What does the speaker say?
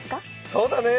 そうだね。